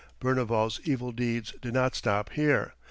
Berneval's evil deeds did not stop here.